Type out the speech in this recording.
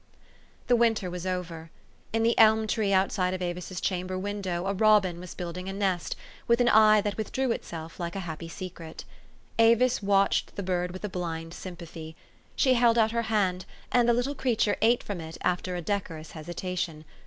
The winter was over. In the elm tree outside of Avis' s chamber window a robin was building a nest, with an eye that withdrew itself like a happy secret. Avis watched the bird with a blind sympathy. She held out her hand, and the little creature ate from it after a decorous hesitation.